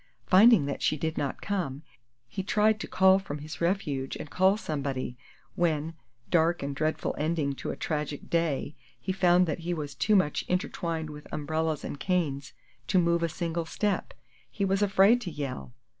Finding that she did not come, he tried to crawl from his refuge and call somebody, when dark and dreadful ending to a tragic day he found that he was too much intertwined with umbrellas and canes to move a single step. He was afraid to yell!